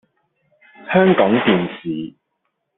香港電視